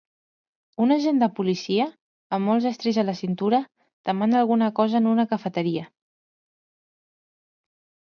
Un agent de policia, amb molts estris a la cintura, demana alguna cosa en una cafeteria.